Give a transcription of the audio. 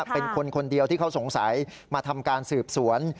เป็นคนคนเดียวที่เขาสงสัยมาทำการสืบสวน